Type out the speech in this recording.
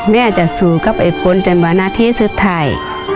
แม่จะสู่กับไอ้ฝนจนวันอาทิตย์สุดท้าย